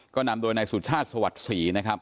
ก็นำโดยในสุชาติสวัสดิ์